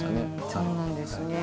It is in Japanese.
そうなんですね。